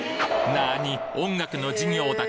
なに？